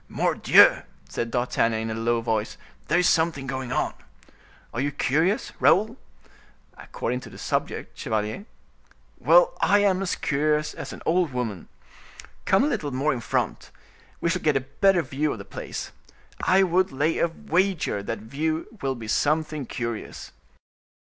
"Mordioux!" said D'Artagnan, in a low voice, "there is something going on. Are you curious, Raoul?" "According to the subject, chevalier." "Well, I am as curious as an old woman. Come a little more in front; we shall get a better view of the place. I would lay a wager that view will be something curious."